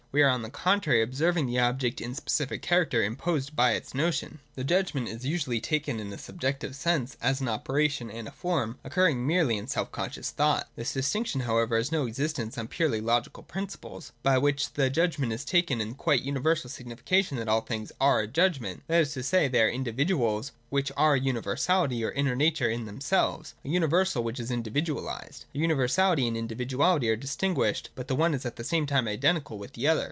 We are, on the contrary, observing the object in the specific character imposed by its notion. 167 .J The Judgment is usually taken in a subjective sense as an operation and a form, occurring merely in self conscious thought. This distinction, however, has no 300 THE DOCTRINE OF THE NOTION. [167, 168. existence on purely logical principles, by which the judgment is taken in the quite universal signification that all things are a judgment. That is to say, they are individuals, which are a universality or inner nature in themselves, — a universal which is individualised. Their universality and individuality are distinguished, but the one is at the same time identical with the other.